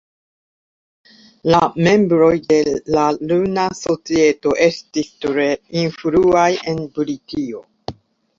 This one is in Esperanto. La membroj de la Luna Societo estis tre influaj en Britio.